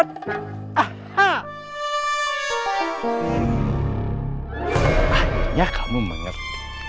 akhirnya kamu mengerti